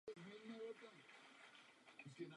Získal osmkrát německý mistrovský titul.